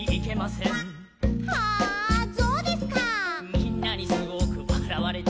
「みんなにすごくわらわれた」